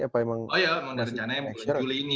oh iya rencananya bulan juli ini